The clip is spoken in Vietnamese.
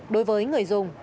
đối với người dùng